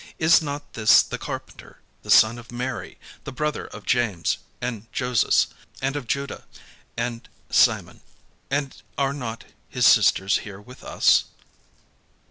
Is not this the carpenter, the son of Mary, the brother of James, and Joses, and of Juda, and Simon? And are not his sisters here with us?"